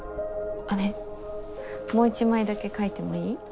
ねえもう一枚だけ描いてもいい？